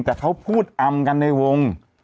แต่เขาพูดอำกันในวง